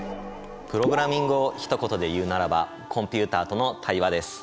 プログラミングをひと言で言うならば「コンピュータとの対話」です。